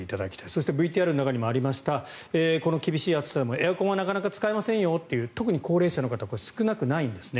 そしてＶＴＲの中にもありましたがこの厳しい暑さでもエアコンはなかなか使いませんよという特に高齢者の方少なくないんですね。